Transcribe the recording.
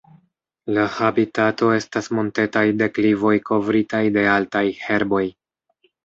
La habitato estas montetaj deklivoj kovritaj de altaj herboj.